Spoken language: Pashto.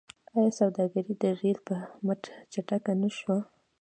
آیا سوداګري د ریل په مټ چټکه نشوه؟